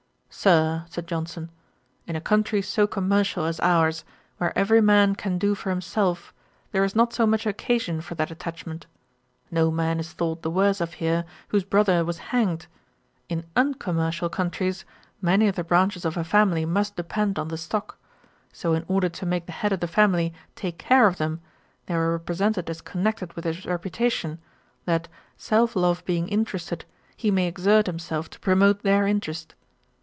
'Sir, (said Johnson,) in a country so commercial as ours, where every man can do for himself, there is not so much occasion for that attachment. No man is thought the worse of here, whose brother was hanged. In uncommercial countries, many of the branches of a family must depend on the stock; so, in order to make the head of the family take care of them, they are represented as connected with his reputation, that, self love being interested, he may exert himself to promote their interest.